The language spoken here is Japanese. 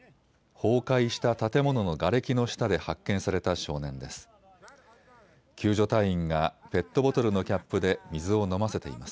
崩壊した建物のがれきの下で発見された少年です。